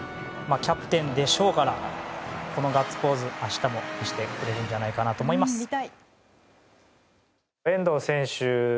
キャプテンでしょうからこのガッツポーズ明日も見せてくれるんじゃないかなと思います。